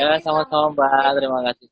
iya sama sama mbak terima kasih